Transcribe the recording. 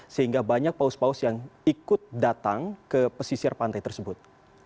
sehingga banyak paus paus yang ikut datang ke pesisir pantai tersebut